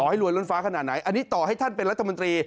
ให้รวยล้นฟ้าขนาดไหนอันนี้ต่อให้ท่านเป็นรัฐมนตรี